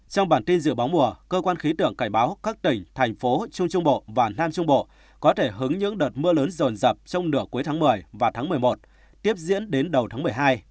trong bản tin dự báo mùa cơ quan khí tượng cảnh báo các tỉnh thành phố trung trung bộ và nam trung bộ có thể hứng những đợt mưa lớn rồn rập trong nửa cuối tháng một mươi và tháng một mươi một tiếp diễn đến đầu tháng một mươi hai